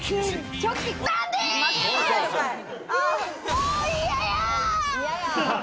もう嫌や。